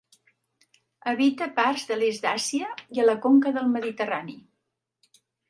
Habita parts de l'est d'Àsia i a la conca del Mediterrani.